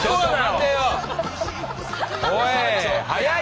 おい！